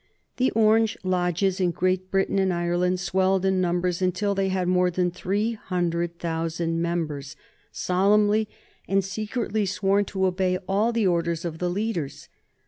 The Orange lodges in Great Britain and Ireland swelled in numbers until they had more than three hundred thousand members solemnly and secretly sworn to obey all the orders of the leaders.